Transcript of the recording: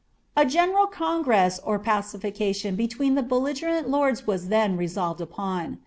A general cungresa or pacifiration betwoen the belligprenl 1 then resolved upon.